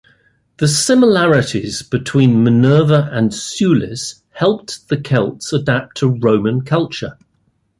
The similarities between Minerva and Sulis helped the Celts adapt to Roman culture.